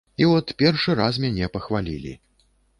І от першы раз мяне пахвалілі.